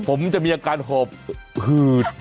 ผมจะมีอาการหอบหืด